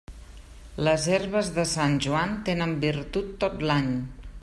Les herbes de Sant Joan tenen virtut tot l'any.